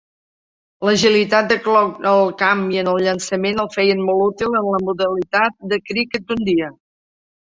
L'agilitat de Clough al camp i en el llançament el feien molt útil en la modalitat de criquet d'un dia.